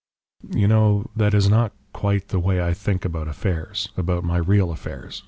"You know that is not quite the way I think about affairs, about my real affairs.